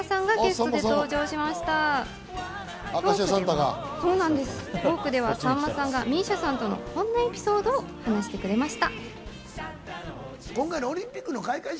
トークではさんまさんがＭＩＳＩＡさんとのこんなエピソードを話してくれました。